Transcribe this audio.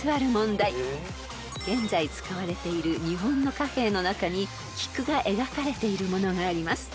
［現在使われている日本の貨幣の中に菊が描かれているものがあります］